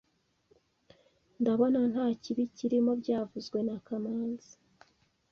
Ndabona nta kibi kirimo byavuzwe na kamanzi